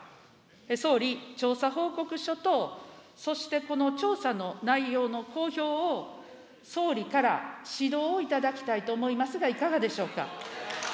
総理、調査報告書と、そしてこの調査の内容の公表を総理から指導を頂きたいと思いますが、いかがでしょうか。